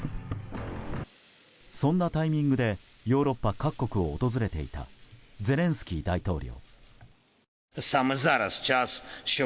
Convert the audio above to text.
そんなタイミングでヨーロッパ各国を訪れていたゼレンスキー大統領。